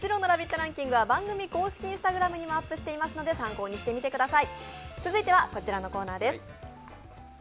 ランキングは番組公式Ｉｎｓｔａｇｒａｍにもアップしていますので、参考にしてみてください。